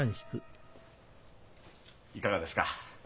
いかがですか？